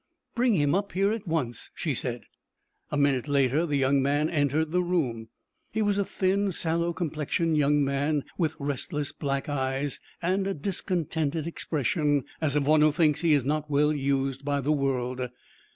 "Bring him up here at once," she said. A minute later the young man entered the room. He was a thin, sallow complexioned young man, with restless, black eyes, and a discontented expression as of one who thinks he is not well used by the world.